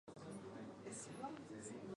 鹿児島県枕崎市